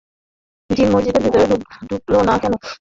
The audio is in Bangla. জিন মসজিদের ভেতরে ঢুকল না কেন?